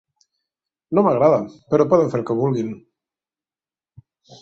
No m’agrada, però poden fer el que vulguin.